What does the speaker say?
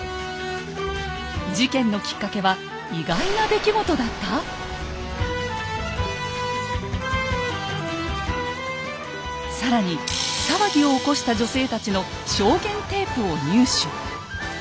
事件のきっかけは更に騒ぎを起こした女性たちの証言テープを入手。